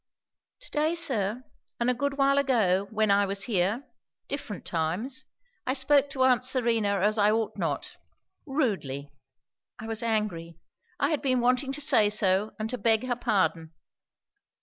"To day, sir, and a good while ago when I was here different times I spoke to aunt Serena as I ought not; rudely; I was angry. I have been wanting to say so and to beg her pardon."